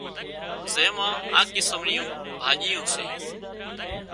زي مان آ قسم نيون ڀاڄيون سي